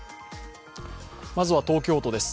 まずは東京都です。